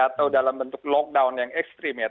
atau dalam bentuk lockdown yang ekstrim ya